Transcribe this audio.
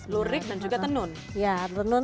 lurik dan juga tenun